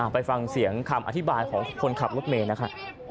ไปฟังเสียงคำอธิบายของคนขับรถเมย์นะครับ